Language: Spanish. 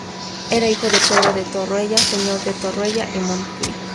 Era hijo de Pedro de Torroella, señor de Torroella y Montgrí.